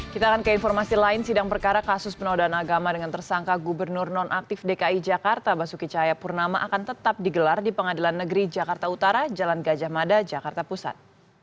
kita akan ke informasi lain sidang perkara kasus penodaan agama dengan tersangka gubernur non aktif dki jakarta basuki cahayapurnama akan tetap digelar di pengadilan negeri jakarta utara jalan gajah mada jakarta pusat